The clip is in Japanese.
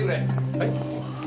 はい？